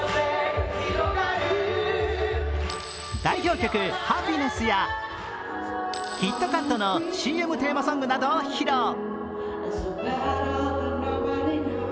代表曲「ハピネス」やキットカットのＣＭテーマソングなどを披露。